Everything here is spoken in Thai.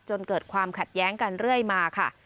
จนเกิดความขัดแย้งกันเรื่อยมาค่ะ